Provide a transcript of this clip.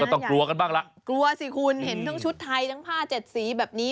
ต้องกลัวกันบ้างล่ะกลัวสิคุณเห็นทั้งชุดไทยทั้งผ้าเจ็ดสีแบบนี้